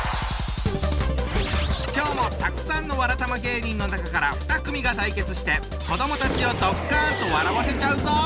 今日もたくさんのわらたま芸人の中から２組が対決して子どもたちをドッカンと笑わせちゃうぞ！